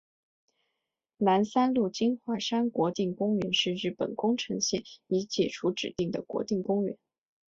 南三陆金华山国定公园是日本宫城县已解除指定的国定公园。